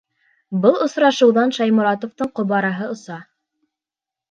Был осрашыуҙан Шайморатовтың ҡобараһы оса.